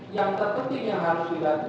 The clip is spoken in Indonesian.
yang terpenting yang harus dibantu